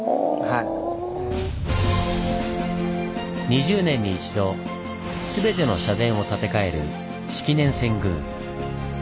２０年に一度全ての社殿を建て替える式年遷宮。